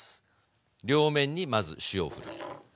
両面にまず塩をふる。